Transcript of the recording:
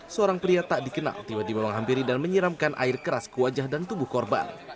seorang pria tak dikenal tiba tiba menghampiri dan menyiramkan air keras ke wajah dan tubuh korban